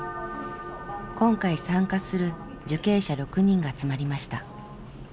今回参加する受刑者６人が集まりました。